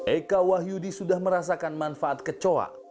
eka wahyudi sudah merasakan manfaat kecoa